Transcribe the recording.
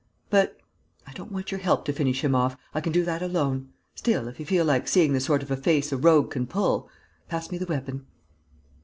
"But...." "I don't want your help to finish him off. I can do that alone. Still, if you feel like seeing the sort of a face a rogue can pull.... Pass me the weapon."